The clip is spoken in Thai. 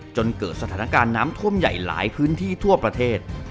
จนเกิดสถานการณ์น้ำท่วมใหญ่หลายพื้นที่ทั่วประเทศ